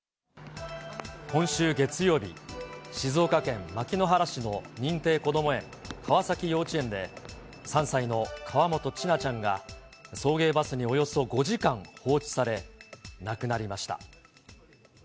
今週月曜日、静岡県牧之原市の認定こども園、川崎幼稚園で、３歳の河本千奈ちゃんが送迎バスにおよそ５時間放置され、亡くなりました。